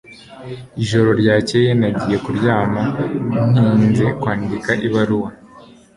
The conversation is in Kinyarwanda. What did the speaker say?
Ijoro ryakeye nagiye kuryama ntinze kwandika ibaruwa